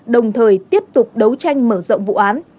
đồng thời tiếp tục đấu tranh mở rộng vụ án